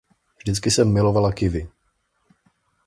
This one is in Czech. Vždycky jsem milovala kiwi.